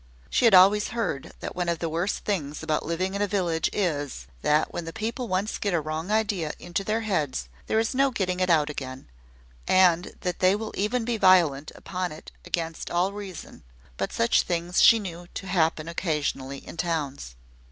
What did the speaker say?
She had always heard that one of the worst things about living in a village is, that when the people once get a wrong idea into their heads, there is no getting it out again; and that they will even be violent upon it against all reason; but such things she knew to happen occasionally in towns.